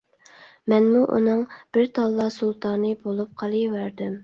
مەنمۇ ئۇنىڭ بىر تاللا سۇلتانى بولۇپ قېلىۋەردىم.